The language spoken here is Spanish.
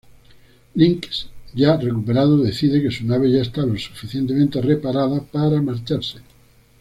Linx, ya recuperado, decide que su nave ya está lo suficientemente reparada para marcharse.